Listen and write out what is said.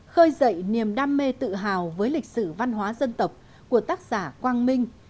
khơi dậy niềm đam mê tự hào với lịch sử văn hóa dân tộc của tác giả quang minh